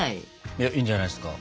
いやいいんじゃないですか。